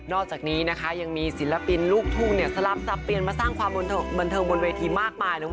อกจากนี้นะคะยังมีศิลปินลูกทุ่งสลับสับเปลี่ยนมาสร้างความบันเทิงบนเวทีมากมายเลย